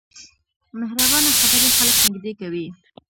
مهربانه خبرې خلک نږدې کوي.